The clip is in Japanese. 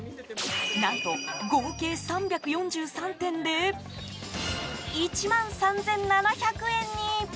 何と、合計３４３点で１万３７００円に。